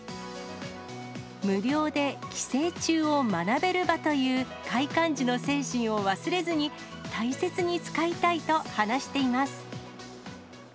無料で寄生虫を学べる場という、開館時の精神を忘れずに、大切に使いたいと話しています。